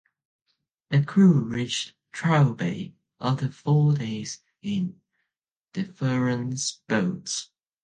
The crew reached Trial Bay after four days in "Deveron"s boats.